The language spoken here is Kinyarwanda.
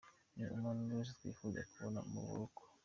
ni umuntu twese twifuza kubona mu buroko.